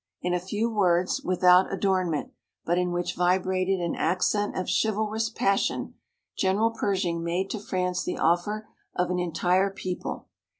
In a few words, without adornment, but in which vibrated an accent of chivalrous passion, General Pershing made to France the offer of an entire people.